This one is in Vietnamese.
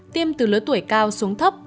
tiêm từ lứa tuổi cao số